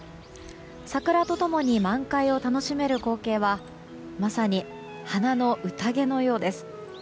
桜と共に満開を楽しめる光景はまさに、花の宴のようです。